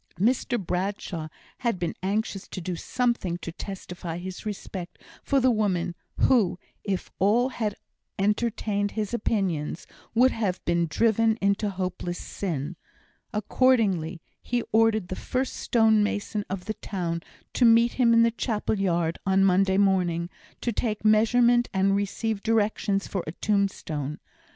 Mr Bradshaw had been anxious to do something to testify his respect for the woman, who, if all had entertained his opinions, would have been driven into hopeless sin. Accordingly, he ordered the first stonemason of the town to meet him in the chapel yard on Monday morning, to take measurement and receive directions for a tombstone.